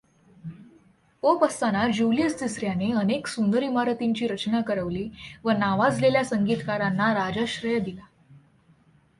Pope असताना Julius तिसऱ्याने अनेक सुंदर ईमारतींची रचना करवली व नावाजलेल्या संगीतकारांना राज्याश्रय दिला.